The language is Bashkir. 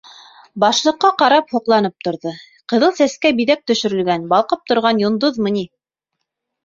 Башлыҡҡа ҡарап һоҡланып торҙо, ҡыҙыл сәскә биҙәк төшөрөлгән, балҡып торған йондоҙмо ни!